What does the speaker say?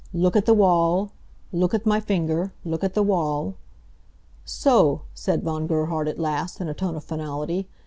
Look at the wall! Look at my finger! Look at the wall!" "So!" said Von Gerhard at last, in a tone of finality.